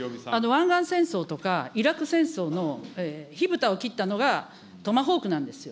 湾岸戦争とか、イラク戦争の火ぶたを切ったのがトマホークなんですよ。